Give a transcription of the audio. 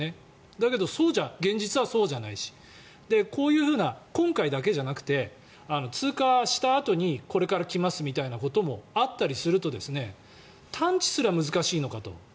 だけど、現実はそうじゃないしこういうような今回だけじゃなくて通過したあとにこれから来ますみたいなこともあったりすると探知すら難しいのかと。